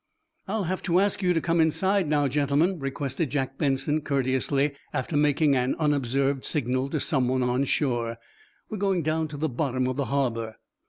"I'll have to ask you to come inside, now, gentlemen," requested Jack Benson, courteously, after making an unobserved signal to someone on shore. "We're going down to the bottom of the harbor."